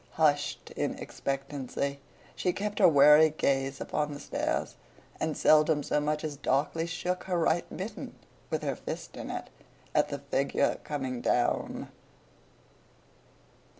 Hushed in expectancy, she kept her wary gaze upon the stairs; and seldom so much as darkly shook her right mitten (with her fist in it), at the figure coming down.